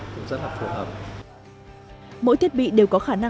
mỗi thiết bị đều có khả năng tiết kế phù hợp với các văn phòng của các doanh nghiệp